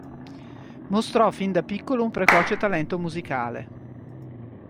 Mostrò fin da piccolo un precoce talento musicale.